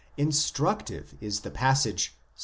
Instructive is the passage Ps.